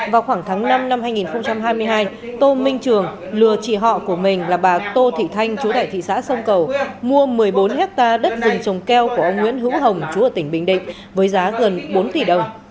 vào khoảng tháng năm năm hai nghìn hai mươi hai tô minh trường lừa chị họ của mình là bà tô thị thanh chú tại thị xã sông cầu mua một mươi bốn hectare đất rừng trồng keo của ông nguyễn hữu hồng chú ở tỉnh bình định với giá gần bốn tỷ đồng